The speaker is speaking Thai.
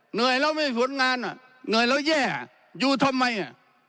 เหนื่อยแล้วไม่มีผลงานอ่ะเหนื่อยแล้วแย่อยู่ทำไมอ่ะ